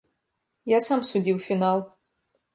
Я сам судзіў фінал.